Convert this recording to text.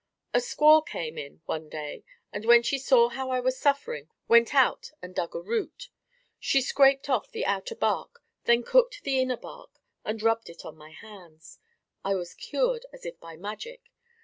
A squaw came in one day and when she saw how I was suffering, went out and dug a root. She scraped off the outer bark, then cooked the inner bark and rubbed it on my hands. I was cured as if by magic.